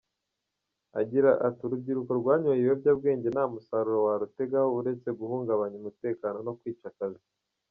Agira ati “Urubyiruko rwanyoye ibiyobyabwenge nta musaruro warutegaho uretse guhungabanya umutekano no kwica akazi.